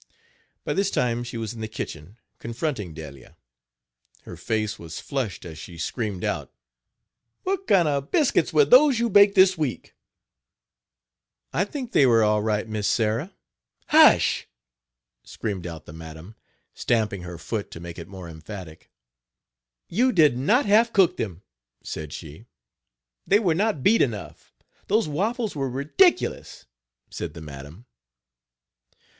By this time she was in the kitchen, confronting Delia. Her face was flushed as she screamed out: "What kind of biscuits were those you baked this week?" "I think they were all right, Mis Sarh." "Hush!" screamed out the madam, stamping her foot to make it more emphatic. "You did not half cook them," said she; "they were not beat enough. Those waffles were ridiculous," said the madam.